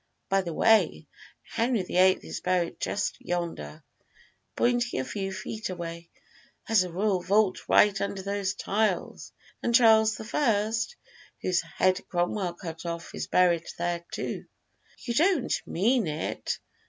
By the way, Henry the Eighth is buried just yonder," pointing a few feet away. "There's a royal vault right under those tiles, and Charles the First, whose head Cromwell cut off, is buried there too." "You don't mean it!"